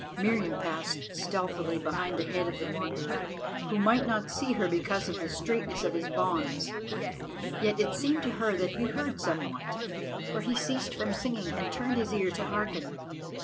Meriamun passed stealthily behind the head of the Wanderer, who might not see her because of the straitness of his bonds. Yet it seemed to her that he heard somewhat, for he ceased from singing and turned his ear to hearken.